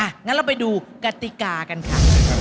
งั้นเราไปดูกติกากันค่ะ